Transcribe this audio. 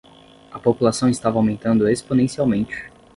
A população estava aumentando exponencialmente.